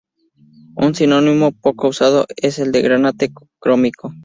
Un sinónimo poco usado es el de "granate crómico".